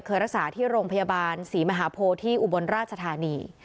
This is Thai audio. รักษาที่โรงพยาบาลศรีมหาโพที่อุบลราชธานี